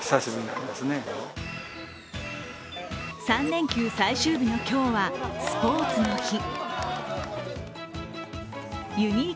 ３連休最終日の今日は、スポーツの日。